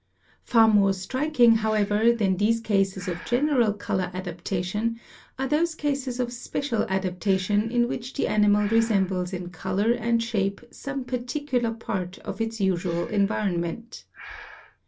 Far more strik ing, however, than these cases of general color adaptation are those cases of special adaptation in which the animal resembles in color and shape some particular part of its usual environment.